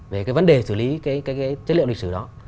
về cái vấn đề xử lý cái chất liệu lịch sử đó